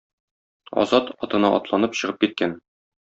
Азат, атына атланып, чыгып киткән.